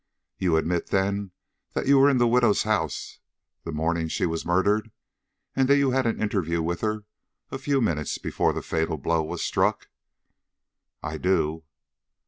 "You admit, then, that you were in the widow's house the morning she was murdered, and that you had an interview with her a few minutes before the fatal blow was struck?" "I do."